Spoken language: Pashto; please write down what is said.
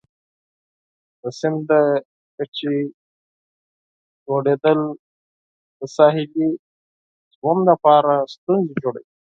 د سمندر د کچې لوړیدل د ساحلي ژوند لپاره ستونزې جوړوي.